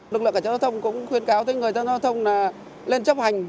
lực lượng cảnh sát giao thông cũng khuyên cáo tới người tham gia giao thông là lên chấp hành